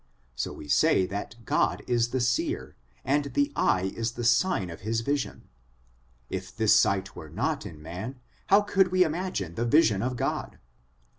So we say that God is the seer, and the eye is the sign of His vision ; if this sight were not in man, how could we imagine the vision of God